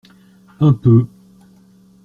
Un peu.